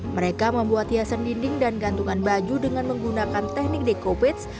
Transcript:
mereka membuat hiasan dinding dan gantungan baju dengan menggunakan teknik decopage